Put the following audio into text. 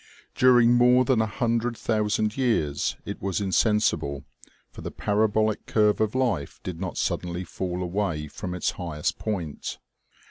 During more than a hundred thousand years it was insensible, for the parabolic curve of life did not suddenly fall away from its highest point.